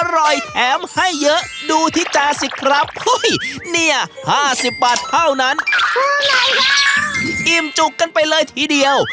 อร่อยแถมให้เยอะดูที่จาสิครับเนี่ย๕๐บาทเท่านั้นอิ่มจุกกันไปเลยทีเดียว